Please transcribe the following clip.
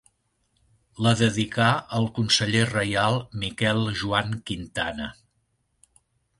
La dedicà al conseller reial Miquel Joan Quintana.